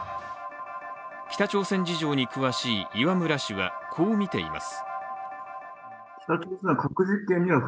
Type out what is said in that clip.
北朝鮮事情に詳しい磐村氏はこうみています。